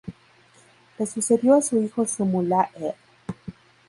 Le sucedió su hijo Sumu-la-El.